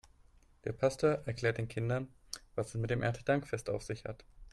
Der Pastor erklärt den Kindern, was es mit dem Erntedankfest auf sich hat.